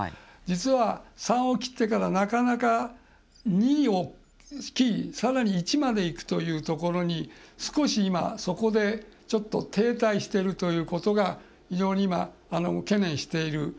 実は、３を切ってからなかなか、２を切り１までいくというところに少し今そこで停滞しているということが非常に懸念している。